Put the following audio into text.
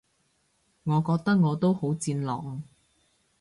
我覺得我都好戰狼